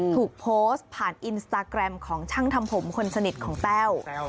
ถูกโพสต์ผ่านอินสตาแกรมของช่างทำผมคนสนิทของแต้ว